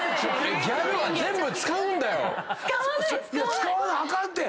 使わなあかんって！